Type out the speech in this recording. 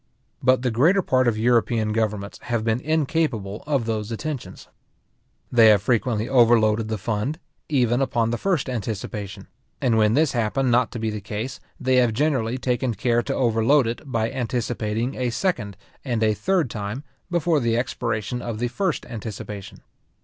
But the greater part of European governments have been incapable of those attentions. They have frequently overloaded the fund, even upon the first anticipation; and when this happened not to be the case, they have generally taken care to overload it, by anticipating a second and a third time, before the expiration of the first anticipation.